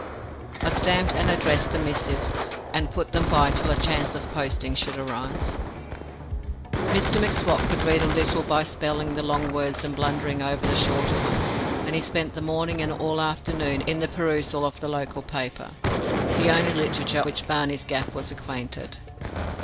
I stamped and addressed these missives, and put them by till a chance of posting should arise. Mr M'Swat could read a little by spelling the long words and blundering over the shorter ones, and he spent the morning and all the afternoon in perusal of the local paper the only literature with which Barney's Gap was acquainted.